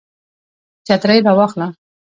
چترۍ را واخله